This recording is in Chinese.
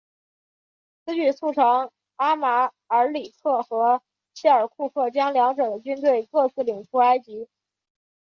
此举促成阿马尔里克和谢尔库赫将两者的军队各自领出埃及。